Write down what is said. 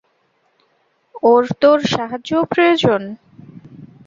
ওর তোর সাহায্যও প্রয়োজন।